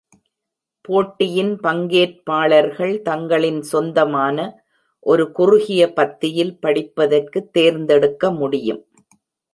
போட்டியின் பங்கேற்பாளர்கள் தங்களின் சொந்தமான, ஒரு குறுகிய பத்தியில் படிப்பதற்கு தேர்ந்தெடுக்க முடியும்.